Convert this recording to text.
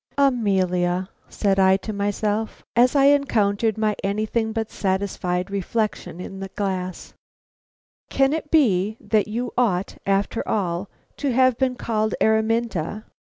"Amelia," said I to myself, as I encountered my anything but satisfied reflection in the glass, "can it be that you ought, after all, to have been called Araminta?